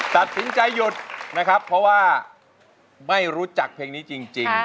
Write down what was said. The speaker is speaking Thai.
ตัดสินใจหยุดนะครับเพราะว่าไม่รู้จักเพลงนี้จริง